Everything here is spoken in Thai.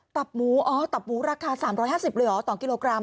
ตับหมูราคา๓๕๐บาทเลยเหรอ๒โกรม